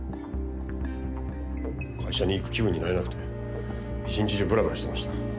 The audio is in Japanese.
会社に行く気分になれなくて一日中ブラブラしてました。